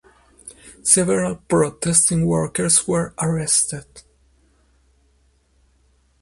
Several protesting workers were arrested.